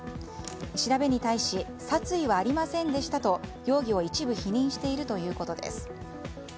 調べに対し殺意はありませんでしたと容疑を一部否認しているということです。